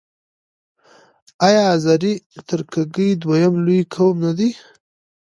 آیا آذری ترکګي دویم لوی قوم نه دی؟